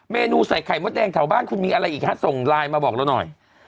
เมนูใส่ไข่มดแดงแถวบ้านคุณมีอะไรอีกฮะส่งไลน์มาบอกเราหน่อย